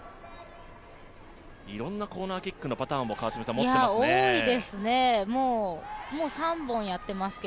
いろんなコーナーキックのパターンを持ってますね。